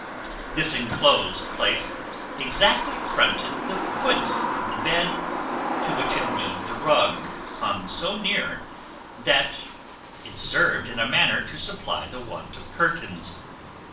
This enclosed place exactly fronted the foot of the bed, to which, indeed, the rug hung so near, that it served in a manner to supply the want of curtains.